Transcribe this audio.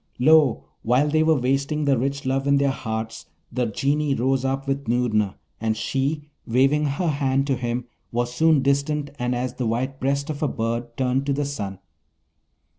Lo! while they were wasting the rich love in their hearts, the Genii rose up with Noorna, and she, waving her hand to him, was soon distant and as the white breast of a bird turned to the sun.